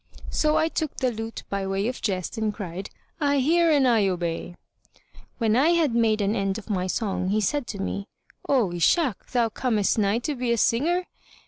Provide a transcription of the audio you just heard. So I took the lute by way of jest, and cried, "I hear and I obey." When I had made an end of my song, he said to me, "O Ishak, thou comest nigh to be a singer!"